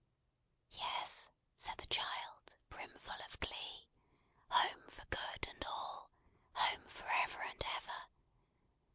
"Yes!" said the child, brimful of glee. "Home, for good and all. Home, for ever and ever.